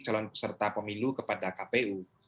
calon peserta pemilu kepada kpu